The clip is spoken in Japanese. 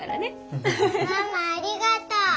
ママありがとう。